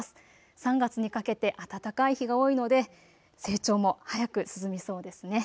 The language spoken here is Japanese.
３月にかけて暖かい日が多いので成長も早く進みそうですね。